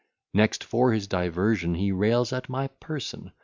Next, for his diversion, He rails at my person.